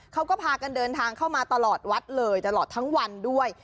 เขาก็พากันเดินทางเข้ามาตลอดวัดเลยตลอดทั้งวันด้วย